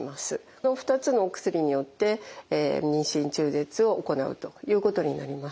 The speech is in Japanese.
この２つのお薬によって妊娠中絶を行うということになります。